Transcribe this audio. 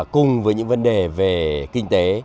cùng với những vấn đề về kinh tế